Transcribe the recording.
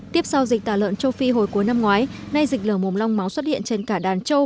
tiếp sau dịch tả lợn châu phi hồi cuối năm ngoái nay dịch lở mồm long móng xuất hiện trên cả đàn châu